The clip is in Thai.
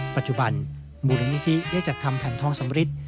ปัจจุบันมูลนิธิได้จัดทำแผ่นทองสำริท